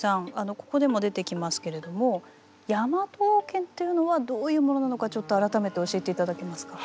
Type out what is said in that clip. ここでも出てきますけれどもヤマト王権っていうのはどういうものなのかちょっと改めて教えて頂けますか？